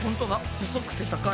細くて高い。